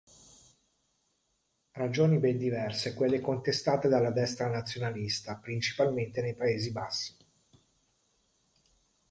Ragioni ben diverse quelle contestate della destra nazionalista, principalmente nei Paesi Bassi.